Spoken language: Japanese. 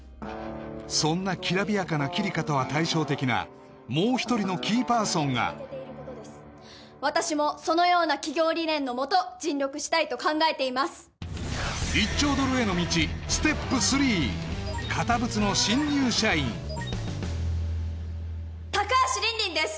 そんな煌びやかなキリカとは対照的なもう一人のキーパーソンが私もそのような企業理念のもと尽力したいと考えています高橋凜々です